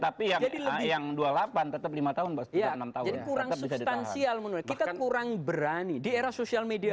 tapi yang dua puluh delapan tetap lima tahun enam tahun kurang substansial menurut kita kurang berani di era sosial media